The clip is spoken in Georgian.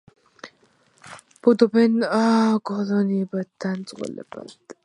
ბუდობენ კოლონიებად ან წყვილებად.